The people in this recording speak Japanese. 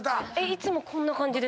いつもこんな感じです。